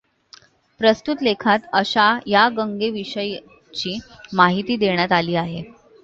प्रस्तुत लेखात अशा या गंगे विषयीची माहिती देण्यात आली आहे.